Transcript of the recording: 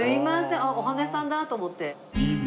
あっお花屋さんだと思って。